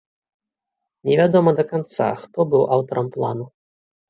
Невядома да канца, хто быў аўтарам плану.